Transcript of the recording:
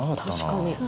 確かに。